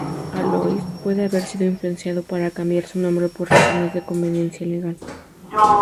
Alois puede haber sido influenciado para cambiar su nombre por razones de conveniencia legal.